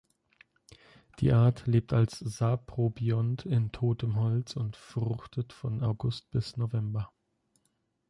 Die Art lebt als Saprobiont in totem Holz und fruchtet von August bis November.